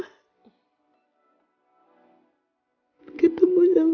aku bisa ketemu sama mama